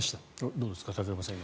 どうですか、武隈さん。